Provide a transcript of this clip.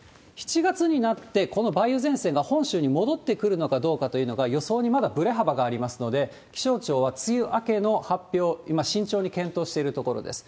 ７月になって、この梅雨前線が本州に戻ってくるのかどうかというのが、予想にまだぶれ幅がありますので、気象庁は梅雨明けの発表、今、慎重に検討しているところです。